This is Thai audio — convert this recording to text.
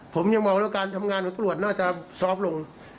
ผมยังมองว่าการทำงานของตำรวจน่าจะซอฟต์ลง